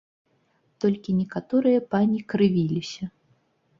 Толькі некаторыя пані крывіліся.